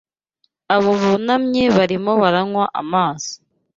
Abo bunamye barimo baranywa amazi